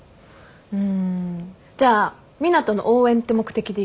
うんじゃあ湊斗の応援って目的で行くわ。